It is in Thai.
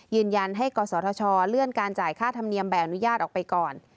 ยืนยันให้กศธชเลื่อนการจ่ายค่าธรรมเนียมใบอนุญาตออกไปก่อน